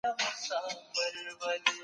دا سل دي.